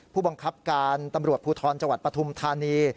ผู้บังคับการตำรวจภูทรจังหวัดปฐุมธานี